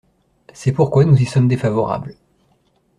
C’est pourquoi nous y sommes défavorables.